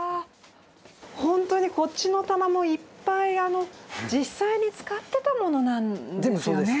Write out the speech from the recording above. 本当にこっちの棚もいっぱいあの実際に使ってたものなんですよね。